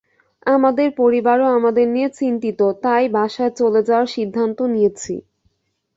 আমাদের পরিবারও আমাদের নিয়ে চিন্তিত, তাই বাসায় চলে যাওয়ার সিদ্ধান্ত নিয়েছি।